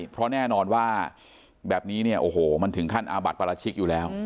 เพราะแน่นอนว่าแบบนี้เนี่ยโอ้โหมันถึงขั้นอาบัติปราชิกอยู่แล้ว